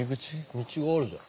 道があるじゃん。